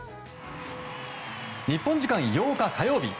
日本時間８日火曜日。